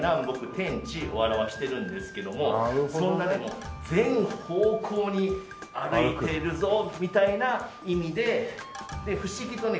天地を表してるんですけどもそんな全方向に歩いているぞみたいな意味で不思議とね